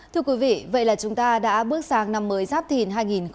thưa quý vị vậy là chúng ta đã bước sang năm mới giáp thìn hai nghìn hai mươi bốn